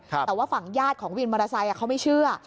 แต่ว่าฝั่งญาติของวินมอเตอร์ไซค์เขาไม่เชื่อ